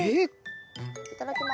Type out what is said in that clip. いただきます。